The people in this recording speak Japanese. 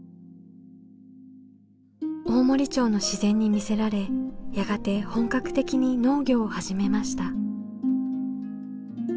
大森町の自然に魅せられやがて本格的に農業を始めました。